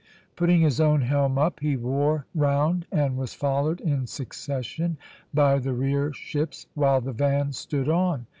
Putting his own helm up, he wore round, and was followed in succession by the rear ships, while the van stood on.